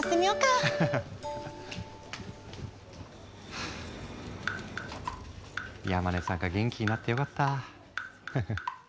はあ山根さんが元気になってよかったフフ。